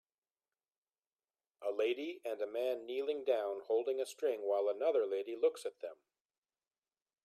A lady and a man kneeling down holding a string while another lady looks at them